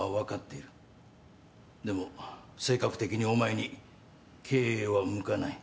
でも性格的にお前に経営は向かない。